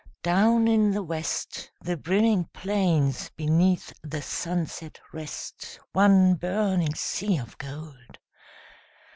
Down in the west The brimming plains beneath the sunset rest, One burning sea of gold.